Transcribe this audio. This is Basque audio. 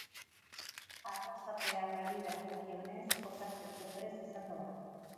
Arrasatearrari dagokionez, jokatzeko prest izango da.